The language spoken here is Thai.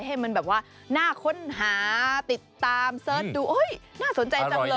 ให้มันแบบว่าน่าค้นหาติดตามเสิร์ชดูโอ๊ยน่าสนใจจังเลย